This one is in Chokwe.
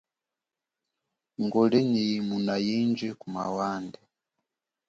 Nguli nyi yimuna yindji kuma wande.